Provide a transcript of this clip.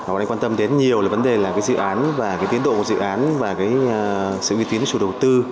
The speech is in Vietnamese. họ nên quan tâm đến nhiều là vấn đề là cái dự án và cái tiến độ của dự án và cái sự uy tín của chủ đầu tư